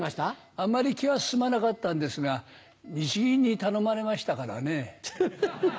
あんまり気は進まなかったんですが日銀に頼まれましたからね。